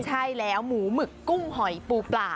ใช่แล้วหมูหมึกกุ้งหอยปูปลา